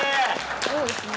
そうですね。